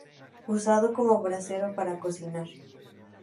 Usado como brasero para cocinar.